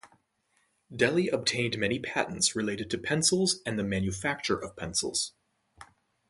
Deli obtained many patents related to pencils and the manufacture of pencils.